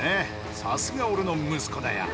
さすが、俺の息子だよ。